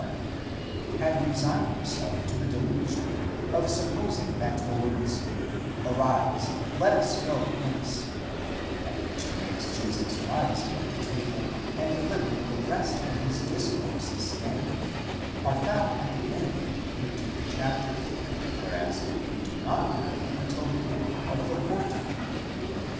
1, had resigned himself to the delusion of supposing that the words Arise, let us go hence, at which he makes Jesus rise from table and deliver the rest of his discourse standing, are found at the end of the 13th chapter, whereas they do not occur until the end of the r4th.